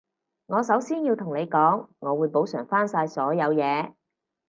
我首先要同你講，我會補償返晒所有嘢